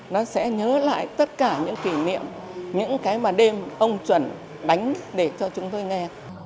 nó sẽ nhớ lại tất cả những kỷ niệm những cái mà đêm ông chuẩn đánh để cho chúng tôi nghe